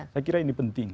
saya kira ini penting